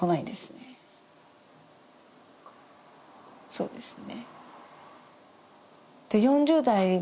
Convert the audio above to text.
そうですね。